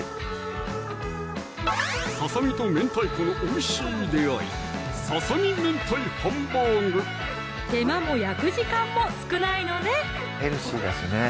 ささみと明太子のおいしい出会い手間も焼く時間も少ないのね